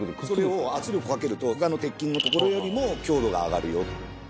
それを圧力かけると他の鉄筋のところよりも強度が上がるよと。